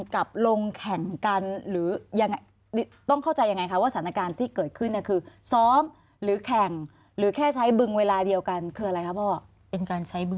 แต่ถ้าถามว่ามีคู่ซ้อมบรรณเกิดเห็นไหม